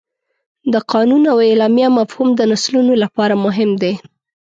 د قانون او اعلامیه مفهوم د نسلونو لپاره مهم دی.